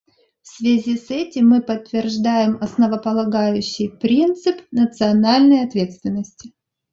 В связи с этим мы подтверждаем основополагающий принцип национальной ответственности.